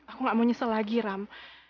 aku gak mau nyesel lagi ram